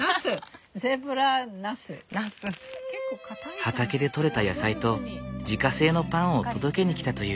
畑で取れた野菜と自家製のパンを届けに来たという。